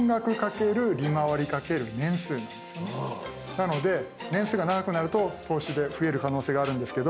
なので年数が長くなると投資で増える可能性があるんですけど。